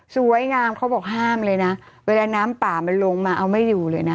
เขาบอกห้ามเลยนะเวลาน้ำป่ามันลงมาเอาไม่อยู่เลยนะ